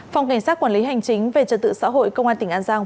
phòng cảnh sát quản lý hành chính về trật tự xã hội công an tỉnh an giang